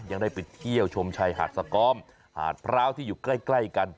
ยังได้ไปเที่ยวชมชายหาดสกอมหาดพร้าวที่อยู่ใกล้กัน